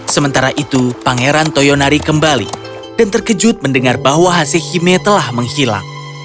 sementara itu pangeran toyonari kembali dan terkejut mendengar bahwa hasehime telah menghilang